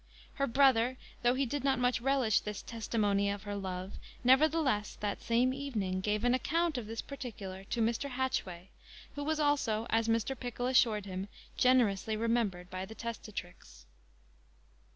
Her brother, though he did not much relish this testimony of her love, nevertheless that same evening gave an account of this particular to Mr. Hatchway, who was also, as Mr. Pickle assured him, generously remembered by the testatrix.